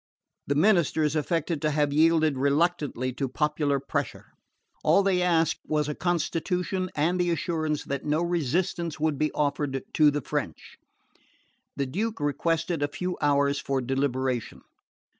The ministers affected to have yielded reluctantly to popular pressure. All they asked was a constitution and the assurance that no resistance would be offered to the French. The Duke requested a few hours for deliberation.